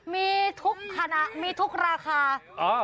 มีทุกคณะมีทุกราคา